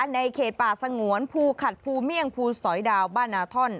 ในเขตป่าสงวนภูขัดภูเมี่ยงภูสอยดาวบ้านนาท่อน